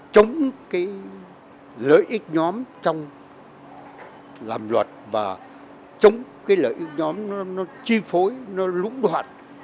chống cái lợi ích nhóm trong làm luật và chống cái lợi ích nhóm nó chi phối nó lũng đoạn